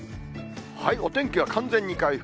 お天気は完全に回復。